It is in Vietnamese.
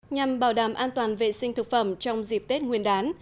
nhằm bảo đảm an toàn vệ sinh thực phẩm trong dịp tết nguyên đán